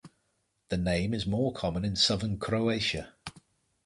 The name is more common in southern Croatia.